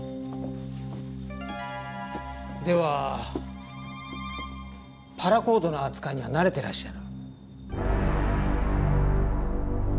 ではパラコードの扱いには慣れてらっしゃる。